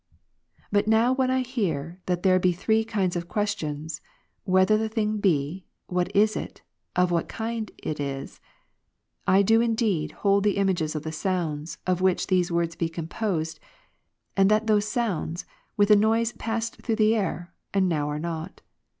But now when I hear that there be three kinds of questions, " Whether the thing be ? what it is ? of what kind it is ?" I do indeed hold the images of the sounds, of which those wordsbe composed, and that those sounds, with a noise passed through the air, and now are not.